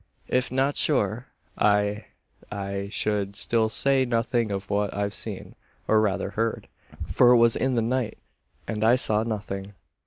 "If not sure I I should still say nothing of what I've seen, or rather heard: for it was in the night, and I saw nothing."